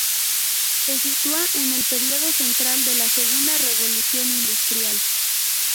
Se sitúa en el período central de la Segunda Revolución Industrial.